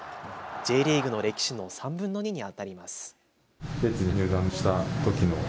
Ｊリーグの歴史の３分の２にあたります。